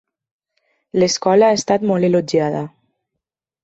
L'escola ha estat molt elogiada.